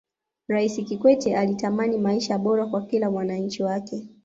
raisi kikwete alitamani maisha bora kwa kila mwananchi wake